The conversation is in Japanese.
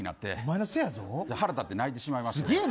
腹立って泣いてしまいました。